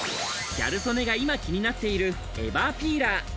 ギャル曽根が今気になっているエバーピーラー。